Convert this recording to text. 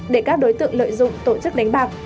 để các đối tượng lợi dụng tổ chức đánh bạc